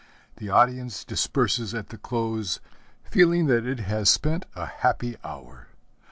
The audience disperses at the close, feeling that it has spent a happy hour.